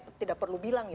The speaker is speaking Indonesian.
saya tidak perlu bilang ya